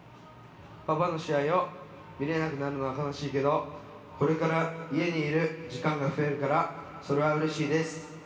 「パパの試合を見れなくなるのは悲しいけどこれから家にいる時間が増えるからそれはうれしいです」